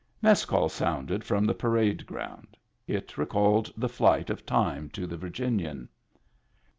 Mess call sounded from the parade ground. It recalled the flight of time to the Virginian.